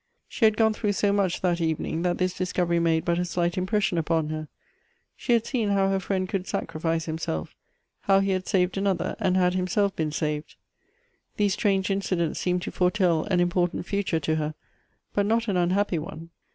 She liad gone through so much that evening, that this dis covery made but a slight impression upon her — she had seen how her friend could sacrifice himself; how he had saved another, and had himself be.en saved. These strange incidents seemed to foretell an important future to her — but not an unhappy one.